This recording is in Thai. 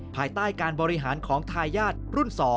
ภายใต้การบริหารของทายาทรุ่น๒